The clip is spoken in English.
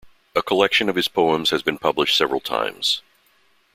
A collection of his poems has been published several times.